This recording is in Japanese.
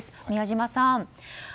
宮嶋さん